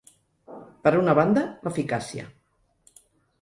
Per una banda, l’eficàcia.